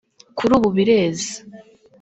’’ Kuri ubu bireze